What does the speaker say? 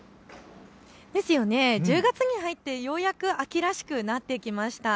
１０月に入ってようやく秋らしくなってきました。